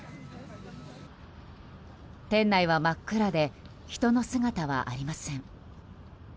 店内は真っ暗で人の姿はありません。